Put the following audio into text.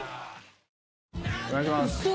お願いします。